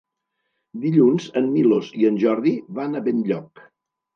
Dilluns en Milos i en Jordi van a Benlloc.